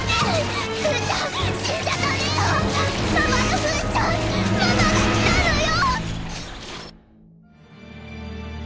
ママが来たのよ！！